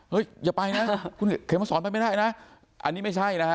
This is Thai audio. อย่าไปนะคุณเขมสอนไปไม่ได้นะอันนี้ไม่ใช่นะฮะ